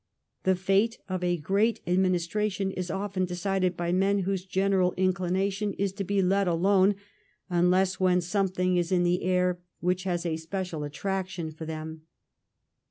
The fate of a great administration is often decided by men whose general inclination is to be THE IRISH UNIVERSITY QUESTION 293 let alone unless when something is in the air which has a special attraction for them.